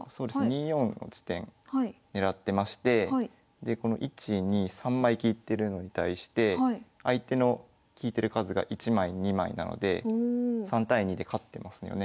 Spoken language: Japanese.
２四の地点狙ってましてでこの１２３枚利いてるのに対して相手の利いてる数が１枚２枚なので３対２で勝ってますよね。